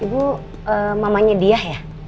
itu mamanya dia ya